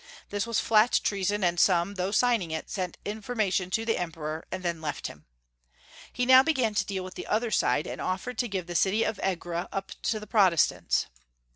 Tliis was flat treason, and some, though signing it, sent informa tion to the Emperor, and then left him. He now began to deal with the other side, and offered to give the city of Egra up to the Protestants.